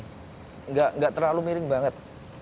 nggak terlalu miring banget